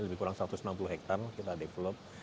lebih kurang satu ratus enam puluh hektare kita develop